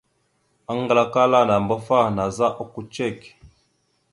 Aŋglak ala nàambafaŋ naazala okko cek.